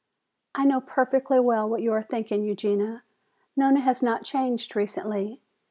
"I know perfectly well what you are thinking, Eugenia. Nona has not changed recently.